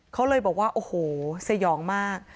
เขาเลยบอกว่าเสยองมาก